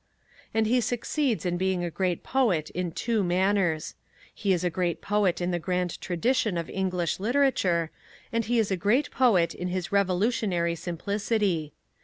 And he succeeds in being a great poet in two manners. He is a great poet in the grand tradition of English literature, and he is a great poet in his revolutionary simplicity.